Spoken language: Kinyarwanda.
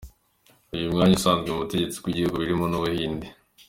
Uyu mwanya usanzwe mu butegetsi bw’ ibihugu birimo n’ Ubuhinde.